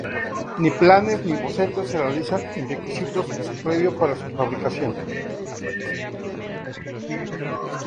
Ni planes ni bocetos se realizan en requisito previo para su fabricación.